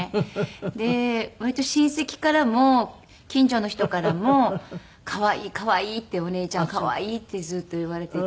で割と親戚からも近所の人からも「可愛い可愛い」って「お姉ちゃん可愛い」ってずっと言われていて。